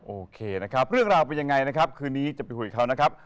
โอเคนะครับเรื่องราวเป็นยังไงนะครับคืนนี้จะไปคุยกับเขานะครับ